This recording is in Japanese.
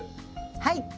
はい！